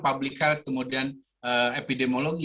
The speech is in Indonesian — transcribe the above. publikal kemudian epidemiologi